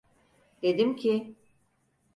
Dedim ki…